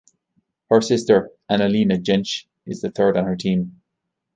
Her sister, Analena Jentsch is the third on her team.